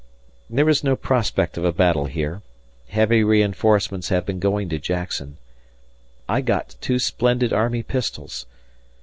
... There is no prospect of a battle here, heavy reinforcements have been going to Jackson. ... I got two splendid army pistols.